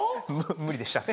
無理でしたね。